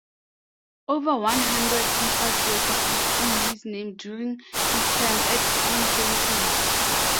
Over one hundred papers were published in his name during his time at Princeton.